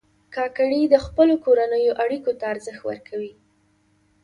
کاکړي د خپلو کورنیو اړیکو ته ارزښت ورکوي.